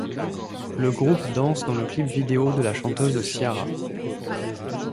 Le groupe danse dans le clip vidéo ' de la chanteuse Ciara.